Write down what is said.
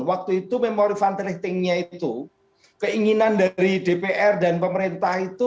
waktu itu memori fund ratingnya itu keinginan dari dpr dan pemerintah itu